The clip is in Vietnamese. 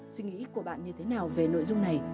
suy nghĩ của bạn như thế nào về nội dung này